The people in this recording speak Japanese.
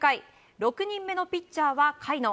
６人目のピッチャーは甲斐野。